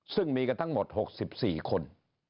ซึ่งมีกันทั้งหมด๖๔คน